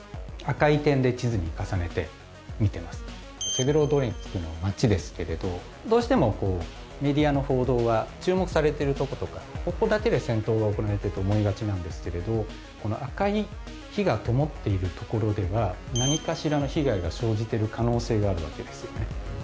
セベロドネツクの町ですけれどどうしてもこうメディアの報道は注目されてるとことかここだけで戦闘が行われてると思いがちなんですけれどこの赤い火がともっている所では何かしらの被害が生じてる可能性があるわけですよね。